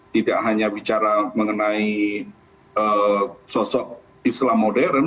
tidak hanya bicara mengenai sosok islam modern